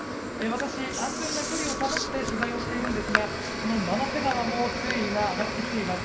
私、安全な距離を保って取材をしているんですがこの万之瀬川も水位が上がってきています。